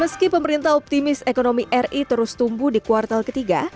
meski pemerintah optimis ekonomi ri terus tumbuh di kuartal ketiga